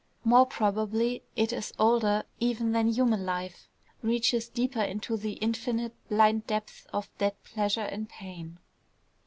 More probably it is older even than human life, reaches deeper into the infinite blind depth of dead pleasure and pain.